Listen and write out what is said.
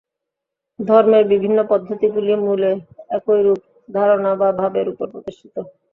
ধর্মের বিভিন্ন পদ্ধতিগুলি মূলে একই রূপ ধারণা বা ভাবের উপর প্রতিষ্ঠিত।